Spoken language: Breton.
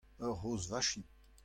ur c'hozh vachin.